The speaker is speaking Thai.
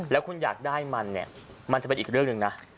แล้วคุณอยากได้มันเนี่ยมันจะเป็นอีกเรื่องหนึ่งนะ